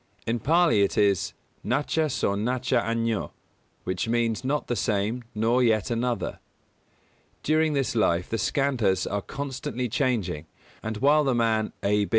In Pālī it is "nacha so nacha añño" which means not the same nor yet another. During this life the Skandhas are constantly changing; and while the man A.